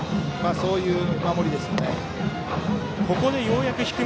そういう守りですよね。